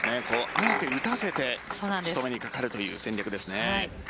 あえて打たせて仕留めにかかるという戦略ですね。